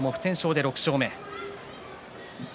翔も不戦勝で６勝目。